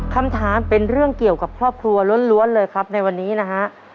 คำถามเป็นเรื่องเกี่ยวกับครอบครัวล้วนเลยครับในวันนี้นะฮะ